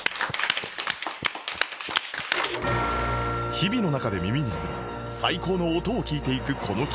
日々の中で耳にする最高の音を聴いていくこの企画